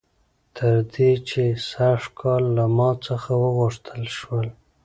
تر دې چې سږ کال له ما څخه وغوښتل شول